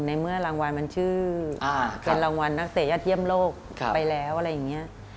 ในเมื่อรางวัลมันชื่อเป็นรางวัลนักเตะยอดเยี่ยมโลกไปแล้วอะไรอย่างนี้